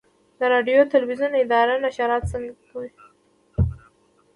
د راډیو تلویزیون اداره نشرات څنګه کوي؟